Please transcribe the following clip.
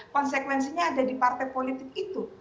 konsekuensinya ada di partai politik itu